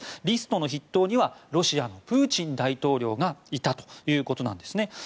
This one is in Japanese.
リストの筆頭にはロシアのプーチン大統領がいたということなんですね。